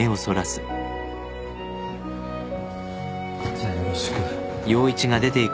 じゃあよろしく。